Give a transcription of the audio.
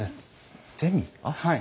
はい。